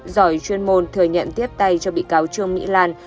giỏi chuyên môn thừa nhận tiếp tay cho bị cáo trương mỹ lan